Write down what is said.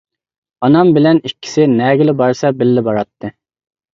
ئانام بىلەن ئىككىسى نەگىلا بارسا بىللە باراتتى.